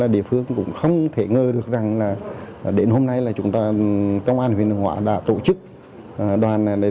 địa phương cũng không thể ngờ được rằng là đến hôm nay là chúng ta công an huyền hóa đã tổ chức đoàn này